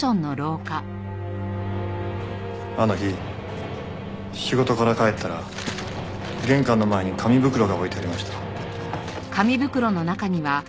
あの日仕事から帰ったら玄関の前に紙袋が置いてありました。